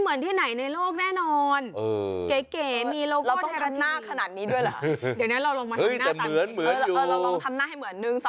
หนึ่งสองสาม